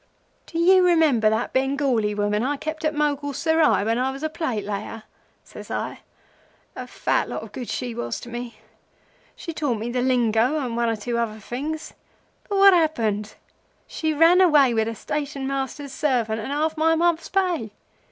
"'Do you remember that Bengali woman I kept at Mogul Serai when I was plate layer?' says I. 'A fat lot o' good she was to me. She taught me the lingo and one or two other things; but what happened? She ran away with the Station Master's servant and half my month's pay.